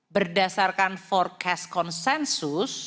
berdasarkan forecast konsensus